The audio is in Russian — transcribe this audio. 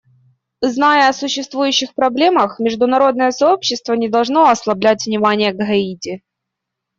Зная о существующих проблемах, международное сообщество не должно ослаблять внимания к Гаити.